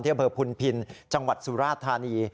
ที่เผยพุนพินจังหวัดสุราษฎร์ธานี